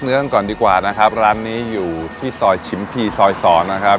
เรื่องก่อนดีกว่านะครับร้านนี้อยู่ที่ซอยชิมพีซอยสองนะครับ